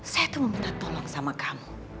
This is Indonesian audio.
saya tuh meminta tolong sama kamu